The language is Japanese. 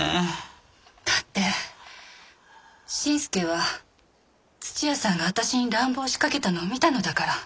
だって新助は屋さんが私に乱暴しかけたのを見たのだから。